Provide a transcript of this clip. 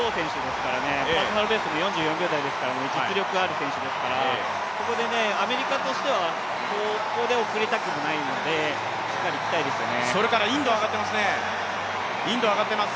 パーソナルベストも４４秒台ですから実力ある選手ですからここでアメリカとしては、ここで遅れたくないので、しっかりいきたいですよね。